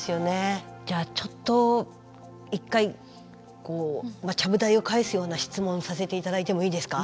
じゃあちょっと一回ちゃぶ台を返すような質問をさせていただいてもいいですか？